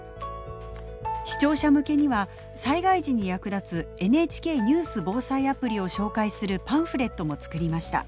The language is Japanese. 視聴者向けには災害時に役立つ「ＮＨＫニュース・防災アプリ」を紹介するパンフレットも作りました。